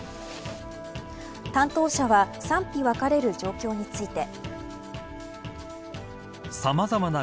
担当者は賛否分かれる状況について。